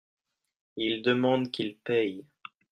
Il demande qu'il paye.